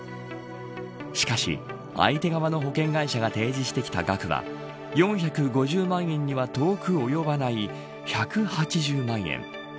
しかし相手側の保険会社が提示してきた額は４５０万円には遠く及ばない１８０万円。